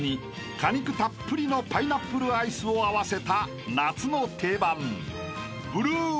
果肉たっぷりのパイナップルアイスを合わせた夏の定番］